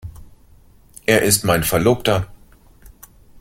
Er ist mein Verlobter.